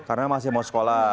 karena masih mau sekolah